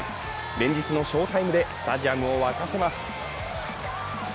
連日の翔タイムでスタジアムを沸かせます。